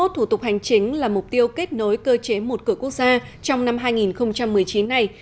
hai mươi thủ tục hành chính là mục tiêu kết nối cơ chế một cửa quốc gia trong năm hai nghìn một mươi chín này